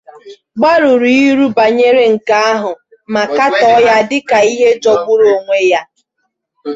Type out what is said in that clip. gbarụrụ ihu bànyere nke ahụ ma katọọ ya dịka ihe jọgburu onwe ya